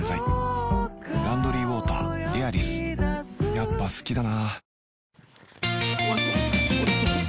やっぱ好きだな